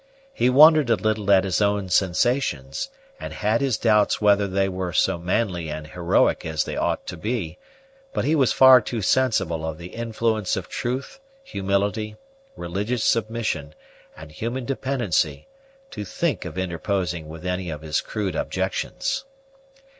He wondered a little at his own sensations, and had his doubts whether they were so manly and heroic as they ought to be; but he was far too sensible of the influence of truth, humility, religious submission, and human dependency, to think of interposing with any of his crude objections.